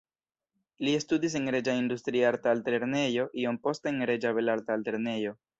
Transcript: Li studis en Reĝa Industriarta Altlernejo, iom poste en Reĝa Belarta Altlernejo.